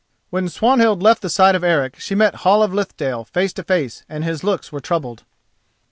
When Swanhild left the side of Eric she met Hall of Lithdale face to face and his looks were troubled.